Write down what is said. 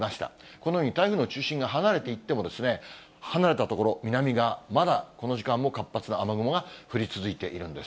このように、台風の中心が離れていっても、離れた所、南がまだこの時間も活発な雨雲が降り続いているんです。